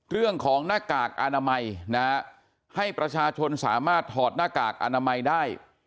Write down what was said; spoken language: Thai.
เรื่องของหน้ากากอนามัยนะฮะให้ประชาชนสามารถถอดหน้ากากอนามัยได้